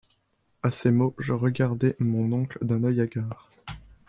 À ces mots, je regardai mon oncle d’un œil hagard.